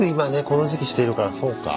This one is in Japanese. この時期してるからそうか。